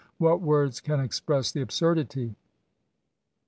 what words can express the absurdity!